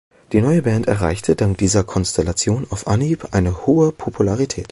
Die neue Band erreichte dank dieser Konstellation auf Anhieb eine hohe Popularität.